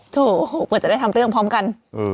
โถปลอดภัยจะได้ทำเรื่องพร้อมกัน